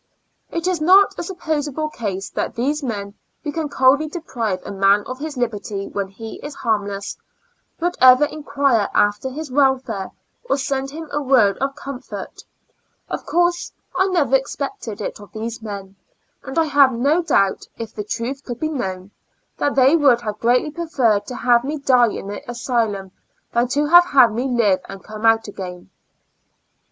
It is not a suppos able case that men who can coldly deprive a man of his liberty when he is harmless, would ever enquire after his welfare, or send him a word of comfort ; of course I never expected it of these men, and I have no doubt, if the truth could be known, that they would have greatly preferred to have had me die in the asylum than to have had me live and come out again.